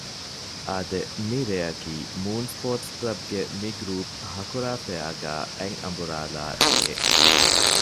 އާދެ! މިރެއަކީ މޫން ސްޕޯރޓްސް ކްލަބްގެ މިގްރޫޕް ހަކުރާފެއަރގައި އަތްއަނބުރާލާ ރެއެއް